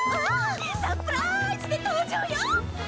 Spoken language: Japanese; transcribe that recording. サプラーイズで登場よ！